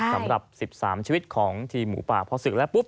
สำหรับ๑๓ชีวิตของทีมหมูป่าพอศึกแล้วปุ๊บ